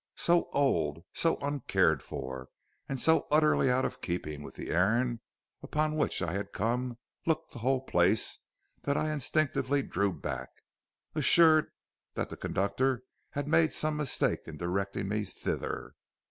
So old, so uncared for, and so utterly out of keeping with the errand upon which I had come looked the whole place that I instinctively drew back, assured that the conductor had made some mistake in directing me thither.